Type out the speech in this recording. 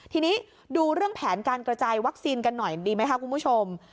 ทีนี้ดูเรื่องแผนการกระจายวัคซีนกันหน่อยดีไหมคะคุณผู้ชม